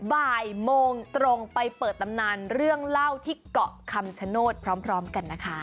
บ่ายโมงตรงไปเปิดตำนานเรื่องเล่าที่เกาะคำชโนธพร้อมกันนะคะ